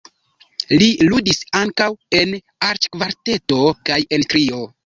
Li ludis ankaŭ en arĉkvarteto kaj en trio.